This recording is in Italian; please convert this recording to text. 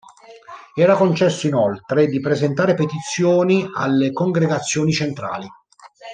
Era concesso inoltre di presentare petizioni alle congregazioni centrali.